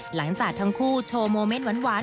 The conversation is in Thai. หลังจากทั้งคู่โชว์โมเมนต์หวาน